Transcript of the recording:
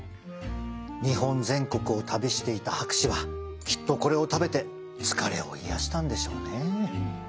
日本全国を旅していた博士はきっとこれを食べて疲れを癒やしたんでしょうね。